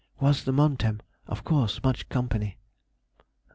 _—Was the Montem, of course much company.